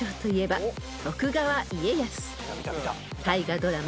［大河ドラマ